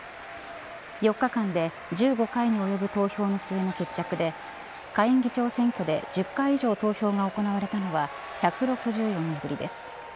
４日間で１５回に及ぶ投票の末の決着で下院議長選挙で１０回以上投票が行われたのは１６４年ぶりです。